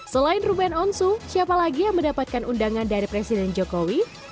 selain ruben onsu siapa lagi yang mendapatkan undangan dari presiden jokowi